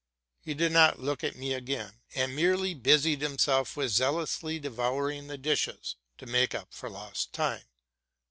'? He did not look at me again, and merely busied himself with zealously de youring the dishes, to make up for lost time.